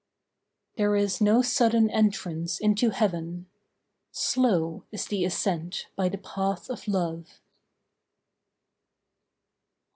There is no sudden entrance into Heaven. Slow is the ascent by the path of Love.